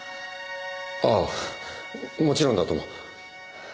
ああもちろんだとも。